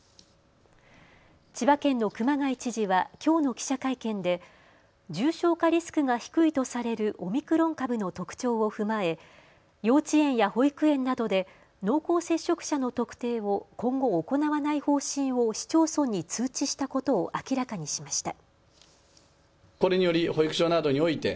千葉県の熊谷知事はきょうの記者会見で重症化リスクが低いとされるオミクロン株の特徴を踏まえ幼稚園や保育園などで濃厚接触者の特定を今後行わない方針を市町村に通知したことを明らかにしました。